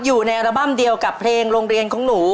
อยู่ในอัลบั้มเดียวกับเพลงโรงเรียนของหนู